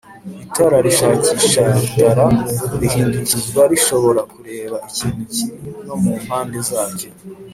Itara rishakishaItara rihindukizwa rishobora kureba ikintu kiri no mu mpande zacyo